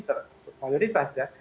jadi secara prioritas ya